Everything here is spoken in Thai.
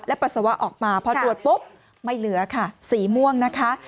ปัสสาวะออกมาพอตรวจปุ๊บไม่เหลือค่ะสีม่วงนะคะ